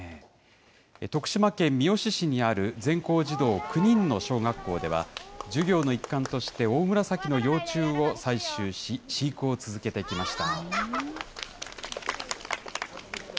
徳島県三好市にある、全校児童９人の小学校では、授業の一環としてオオムラサキの幼虫を採集し、飼育を続けてきました。